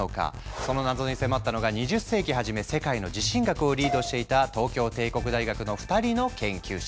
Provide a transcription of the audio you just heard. その謎に迫ったのが２０世紀初め世界の地震学をリードしていた東京帝国大学の２人の研究者。